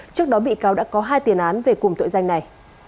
trước đó bị cáo đã có hai tiền án về cùng tội danh này